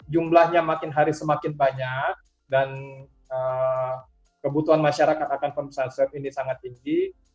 jumlahnya makin hari semakin banyak dan kebutuhan masyarakat akan pemeriksaan swab ini sangat tinggi